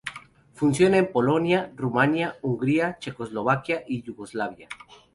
Funcionando en Polonia, Rumania, Hungría, Checoslovaquia, y Yugoslavia.